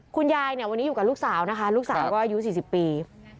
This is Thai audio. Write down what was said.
คุณยายเนี่ยวันนี้อยู่กับลูกสาวนะคะลูกสาวก็อายุ๔๐ปี